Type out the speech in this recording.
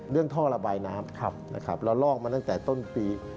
เรื่องท่อระบายน้ำเราลอกมาตั้งแต่ต้นปี